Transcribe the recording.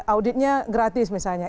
auditnya gratis misalnya